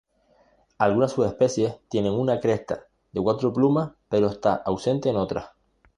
Algunas subespecies tienen una cresta de cuatro plumas, pero está ausente en otras.